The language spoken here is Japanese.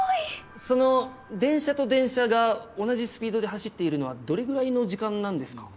その電車と電車が同じスピードで走っているのはどれぐらいの時間なんですか？